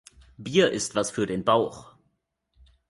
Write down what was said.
Bier ist was für den Bauch.